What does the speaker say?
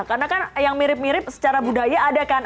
karena kan yang mirip mirip secara budaya ada kan